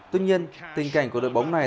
tuy nhiên tình cảnh của đội bóng này